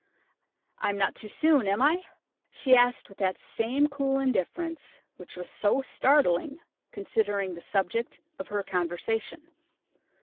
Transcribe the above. I am not too soon, am I?" she asked, with that same cool indifference which was so startling, considering the subject of her conversation.